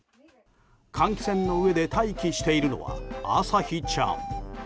換気扇の上で待機しているのはあさひちゃん。